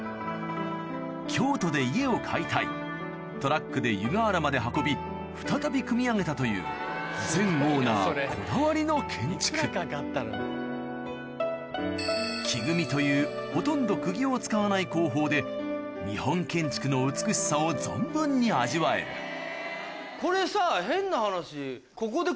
京都で家を解体トラックで湯河原まで運び再び組み上げたという前オーナーこだわりの建築木組みというほとんど釘を使わない工法で日本建築の美しさを存分に味わえるこれさ変な話。